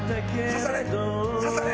刺され！